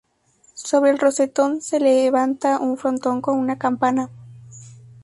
Sobre el rosetón se levanta un frontón con una campana.